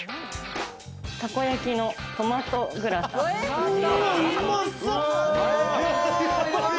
たこ焼きのトマトグラタン。